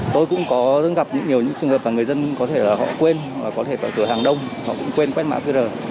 tôi cũng gặp nhiều trường hợp là người dân có thể quên có thể vào cửa hàng đông họ cũng quên quét mã qr